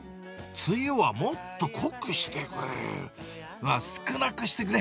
つゆはもっと濃くしてくれ！